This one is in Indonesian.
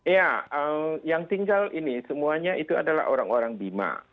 ya yang tinggal ini semuanya itu adalah orang orang bima